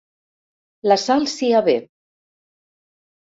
La Sal s'hi avé.